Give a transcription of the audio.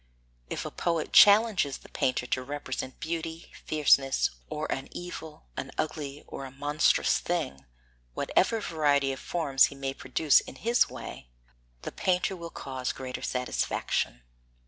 If a poet challenges the painter to represent beauty, fierceness, or an evil, an ugly or a monstrous thing, whatever variety of forms he may produce in his way, the painter will cause greater satisfaction.